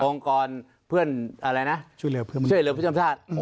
องค์กรช่วยเหลือผู้ชมศาสตร์